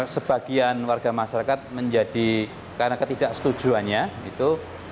sebagian warga masyarakat menjadi karena ketidaksetujuannya itu